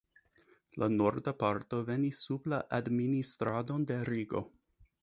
La norda parto venis sub la administradon de Rigo.